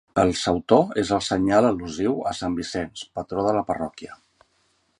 El sautor és el senyal al·lusiu a sant Vicenç, patró de la parròquia.